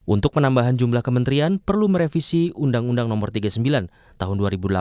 untuk penambahan jumlah kementerian perlu merevisi undang undang no tiga puluh sembilan tahun dua ribu delapan belas